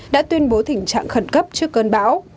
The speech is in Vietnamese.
đã tuyên bố tình trạng khẩn cấp trước cơn bão